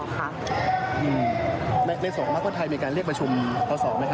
ในส่วนการ์สเรือในส่วนมาตรควันไทยแล้วก็เรียกประชุมเพราะส่องไหมคะ